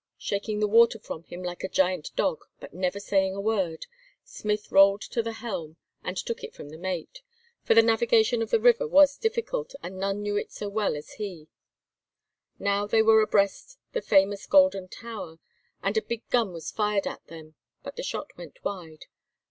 Shaking the water from him like a great dog, but saying never a word, Smith rolled to the helm and took it from the mate, for the navigation of the river was difficult, and none knew it so well as he. Now they were abreast the famous Golden Tower, and a big gun was fired at them; but the shot went wide.